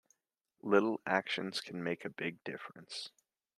Little actions can make a big difference.